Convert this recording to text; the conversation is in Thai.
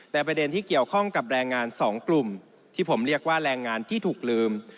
ประเด็นที่เกี่ยวข้องกับแรงงาน๒กลุ่มที่ผมเรียกว่าแรงงานที่ถูกลืม